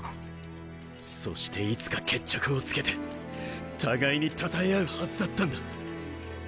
そしていつか決着をつけて互いにたたえ合うはずだったんだ。